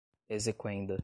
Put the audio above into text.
exequenda